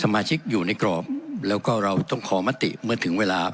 สมาชิกอยู่ในกรอบแล้วก็เราต้องขอมติเมื่อถึงเวลา